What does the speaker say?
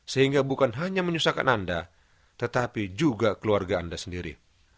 sehingga bukan hanya menyusahkan anda tetapi juga keluarga anda sendiri